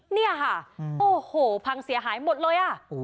เนี่ยค่ะโอ้โหพังเสียหายหมดเลยอ่ะ